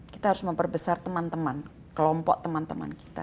kita harus memperbesar teman teman kelompok teman teman kita